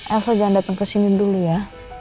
elsa jangan datang kesini dulu ya